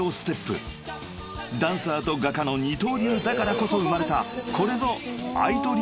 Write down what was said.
［ダンサーと画家の二刀流だからこそ生まれたこれぞＡＩＴＯ流